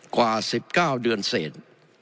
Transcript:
กว่า๑๙เดือนเสร็จ